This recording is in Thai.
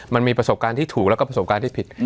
มันมีประสบการณ์ที่ถูกแล้วก็ประสบการณ์ที่ผิด